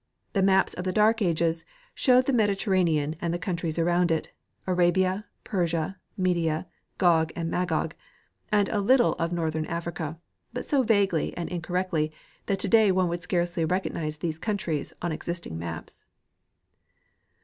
The maps of the dark ages showed the Mediterranean and the countries around it, Arabia, Persia, Media, Gog and Ma gog, and a little of northern Africa ; but so vaguely and incor rectly that today one would scarcely recognize these countries on existing maps.